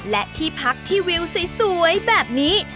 และที่พักที่วิวสวยแบบนี้